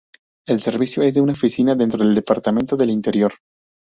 El Servicio es una oficina dentro del Departamento del Interior.